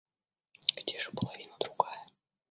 Где же половина другая?